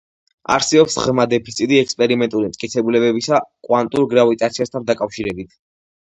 არსებობს ღრმა დეფიციტი ექსპერიმენტული მტკიცებულებებისა კვანტურ გრავიტაციასთან დაკავშირებით.